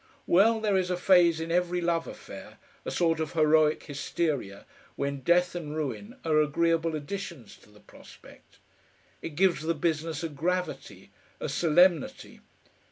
Well, there is a phase in every love affair, a sort of heroic hysteria, when death and ruin are agreeable additions to the prospect. It gives the business a gravity, a solemnity.